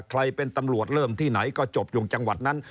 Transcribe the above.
ใครเป็นตำรวจเริ่มที่ไหนก็จบอยู่จังหวัดนั้น